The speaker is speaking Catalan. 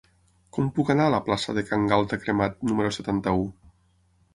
Com puc anar a la plaça de Can Galta Cremat número setanta-u?